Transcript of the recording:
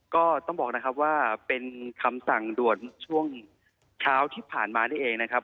ก็ต้องบอกนะครับว่าเป็นคำสั่งด่วนช่วงเช้าที่ผ่านมานี่เองนะครับ